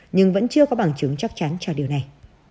nhưng vẫn chưa có bằng chứng chắc chắn cho điều này